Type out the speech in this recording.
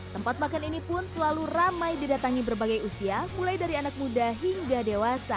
tempat makan ini pun selalu ramai didatangi berbagai usia mulai dari anak muda hingga dewasa